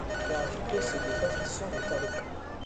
La riposte des patriciens ne tarde pas.